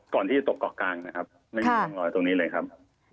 ก่อนที่จะตกเกาะกลางนะครับไม่มีร่องรอยตรงนี้เลยครับ